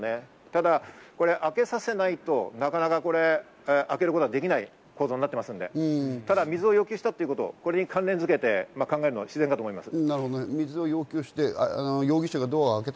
ただ開けさせないと、なかなか開けることはできない構造になっていますので、ただ水を要求したこと、これに関連付けて考えるのが自然だと思います。